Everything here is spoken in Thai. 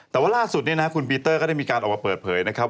แต่ว่าล่าสุดเนี่ยนะคุณปีเตอร์ก็ได้มีการออกมาเปิดเผยนะครับ